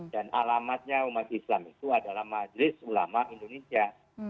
dan alamatnya umat islam itu adalah majelis selama indonesia